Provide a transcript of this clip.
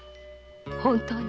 本当に？